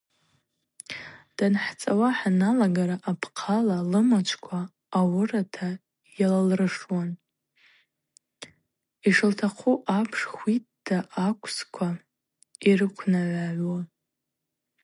Данхӏцӏауа хӏалагара апхъала лымачвква ауырата йалалыршуан, йшылтахъу апш хвитта аквсква йрыквнагӏвгӏагӏвуа.